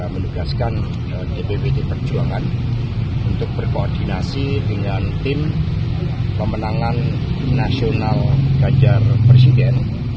menugaskan dppd perjuangan untuk berkoordinasi dengan tim pemenangan nasional ganjar presiden